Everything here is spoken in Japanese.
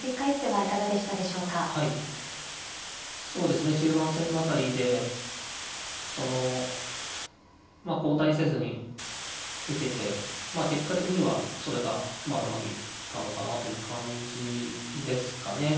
はいそうですね中盤戦の辺りでその後退せずに受けてまあ結果的にはそれがうまくいったのかなという感じですかね。